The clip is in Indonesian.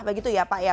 begitu ya pak ya